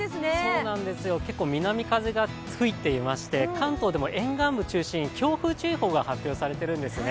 そうなんですよ、結構南風が吹いていまして関東でも沿岸部中心に強風注意報が発表されているんですね。